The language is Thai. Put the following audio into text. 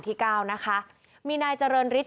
ที่๙นะคะมีนายเจริญฤทธิ์